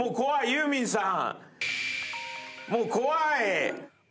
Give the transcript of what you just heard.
ユーミンさん。